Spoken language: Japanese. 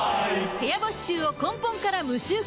部屋干し臭を根本から無臭化